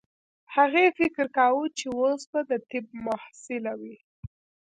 هغې فکر کاوه چې اوس به د طب محصله وه